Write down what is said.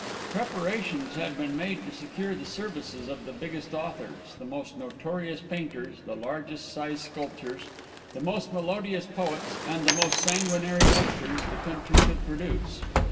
Preparations had been made to secure the services of the biggest authors, the most notorious painters, the largest sized sculptors, the most melodious poets, and the most sanguinary editors the country could produce.